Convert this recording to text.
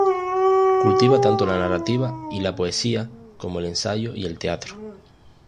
Cultiva tanto la narrativa y la poesía como el ensayo y el teatro.